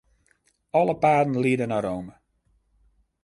Alle paden liede nei Rome.